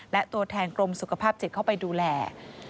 และตัวแทนกรมสุขภาพจิตเข้าไปดูแล